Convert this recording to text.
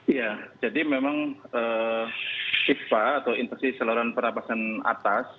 iya jadi memang ispa atau intensi seloran pernafasan atas